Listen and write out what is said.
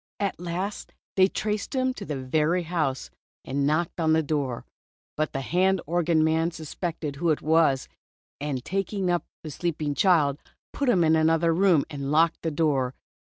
At last they traced him to the very house, and knocked at the door. But the hand organ man suspected who it was, and taking up the sleeping child, put him in another room and locked the door.